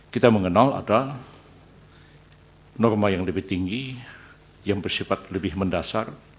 kita mengenal ada norma yang lebih tinggi yang bersifat lebih mendasar